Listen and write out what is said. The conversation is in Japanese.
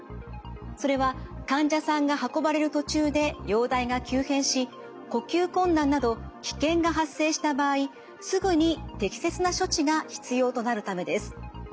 それは患者さんが運ばれる途中で容体が急変し呼吸困難など危険が発生した場合すぐに適切な処置が必要となるためです。